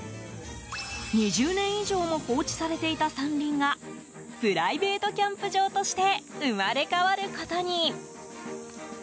２０年以上も放置されていた山林がプライベートキャンプ場として生まれ変わることに。